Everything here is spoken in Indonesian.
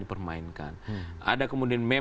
dipermainkan ada kemudian meme